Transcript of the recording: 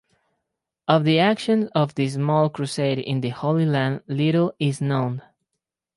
Of the actions of this small crusade in the Holy Land little is known.